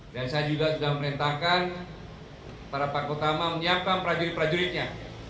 dan saya juga sudah melintahkan para pakutama menyiapkan prajurit prajuritnya